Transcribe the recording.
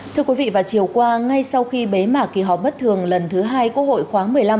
thưa quý vị vào chiều qua ngay sau khi bế mạc kỳ họp bất thường lần thứ hai quốc hội khóa một mươi năm